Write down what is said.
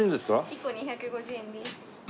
１個２５０円です。